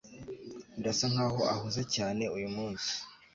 Birasa nkaho ahuze cyane uyumunsi